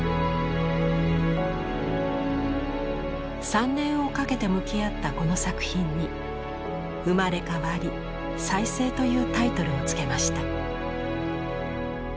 ３年をかけて向き合ったこの作品に「生まれ変わり再生」というタイトルを付けました。